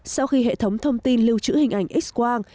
sau khi hệ thống thông tin lưu trữ hình ảnh x quang